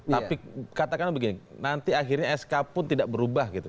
tapi katakanlah begini nanti akhirnya sk pun tidak berubah gitu